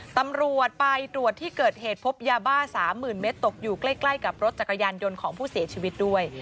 ตำรวจไปตรวจที่เกิดเหตุพบยาบ้า๓๐๐๐เมตรตกอยู่ใกล้กับรถจักรยานยนต์ของผู้เสียชีวิตด้วย